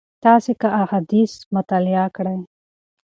تاسي که احاديث مطالعه کړئ